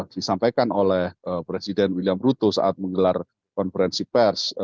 disampaikan oleh presiden william ruto saat menggelar konferensi pers